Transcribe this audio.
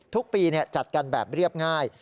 ทุกปีจัดกันแบบเรียบง่าย